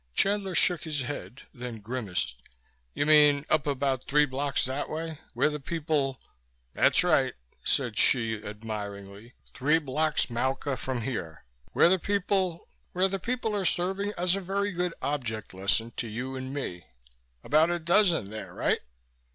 Chandler shook his head, then grimaced. "You mean up about three blocks that way? Where the people ?" "That's right," said Hsi admiringly, "three blocks mauka from here, where the people Where the people are serving as a very good object lesson to you and me. About a dozen there, right?